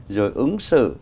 rồi ứng xử